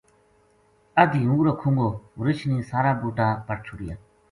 ادھی ہوں رکھوں گو "رچھ نے سارا بوٹا پَٹ چھڑیا